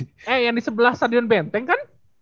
eh yang di sebelah sadin benteng kan